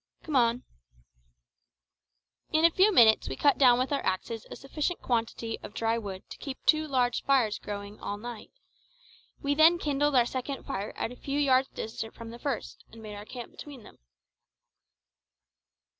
Come along." In a few minutes we cut down with our axes a sufficient quantity of dry wood to keep two large fires going all night; we then kindled our second fire at a few yards distant from the first, and made our camp between them.